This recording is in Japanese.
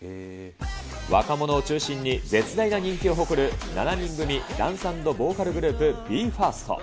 若者を中心に絶大な人気を誇る７人組ダンス＆ボーカルグループ、ＢＥ：ＦＩＲＳＴ。